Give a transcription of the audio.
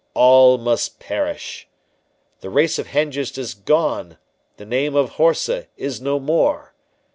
All must perish! The race of Hengist is gone— The name of Horsa is no more!